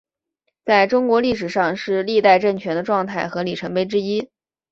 在中国历史上是历代政权的状态和里程碑之一。